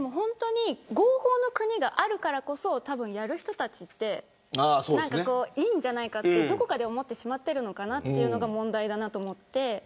合法な国があるからこそやる人たちっていいんじゃないかって、どこかで思ってしまっているのかなというのが問題だと思って。